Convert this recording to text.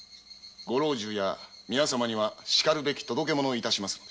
ご老中や皆様にしかるべき届け物をします。